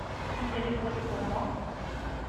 Il y a du courrier pour moi ?